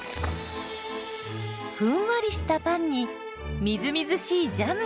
ふんわりしたパンにみずみずしいジャム。